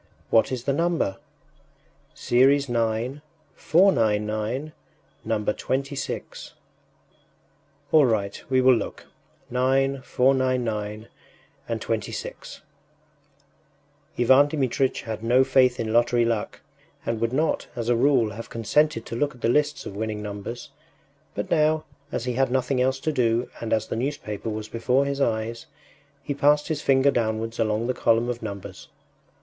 ” “What is the number?” “Series 9,499, number 26.” “All right... we will look... 9,499 and 26.” Ivan Dmitritch had no faith in lottery luck, and would not, as a rule, have consented to look at the lists of winning numbers, but now, as he had nothing else to do and as the newspaper was before his eyes, he passed his finger downwards along the column of numbers.